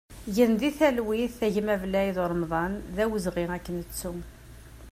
Gen di talwit a gma Blaïd Uremḍan, d awezɣi ad k-nettu!